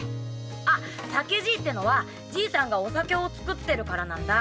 あ酒爺ってのはじいさんがお酒を造ってるからなんだ。